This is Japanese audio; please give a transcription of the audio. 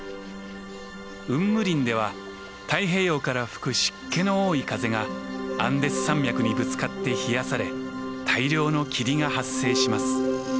雲霧林では太平洋から吹く湿気の多い風がアンデス山脈にぶつかって冷やされ大量の霧が発生します。